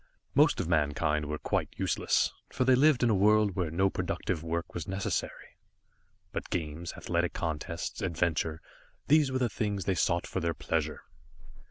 Most of mankind were quite useless, for they lived in a world where no productive work was necessary. But games, athletic contests, adventure these were the things they sought for their pleasure.